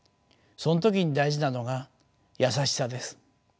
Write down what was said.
その時に大事なのが優しさです。